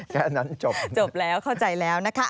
แค่นั้นจบแล้วเข้าใจแล้วนะคะ